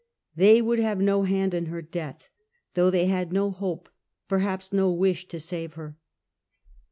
They would have no hand in her death, though they had no hope, perhaps no wish to save her.